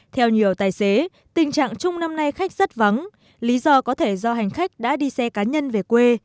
theo nhiều tài xế tình trạng chung năm nay khách rất vắng lý do có thể do hành khách đã đi xe cá nhân về quê